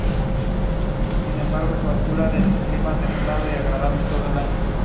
Fue un cambio de nombre del anterior Frente Briansk.